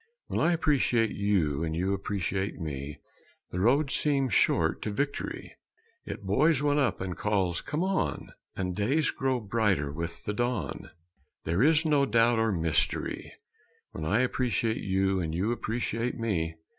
When I appreciate you and you appreciate me, The road seems short to victory; It buoys one up and calls "Come on," And days grow brighter with the dawn; There is no doubt or mystery When I appreciate you and you appreciate me.